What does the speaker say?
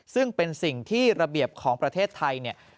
ซึ่งเป็นสิ่งที่ระเบียบของประเทศไทยเนี่ย